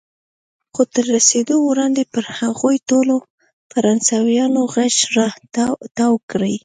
خو تر رسېدو وړاندې به پر هغوی ټولو فرانسویان غېږ را تاو کړي.